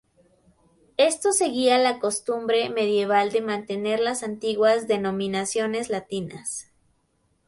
Esto seguía la costumbre medieval de mantener las antiguas denominaciones latinas.